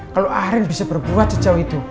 kalo arief bisa berbuat cecau itu